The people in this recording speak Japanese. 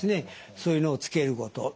そういうのを付けること。